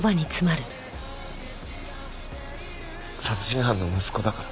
殺人犯の息子だから？